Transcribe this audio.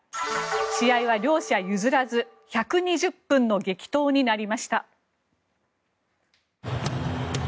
試合は両者譲らず１２０分の激闘になりました。